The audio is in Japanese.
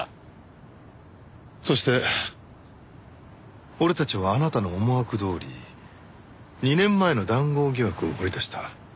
そして俺たちはあなたの思惑どおり２年前の談合疑惑を掘り出した。